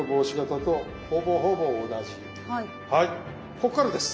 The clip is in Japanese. こっからです。